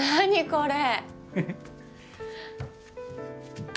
これ！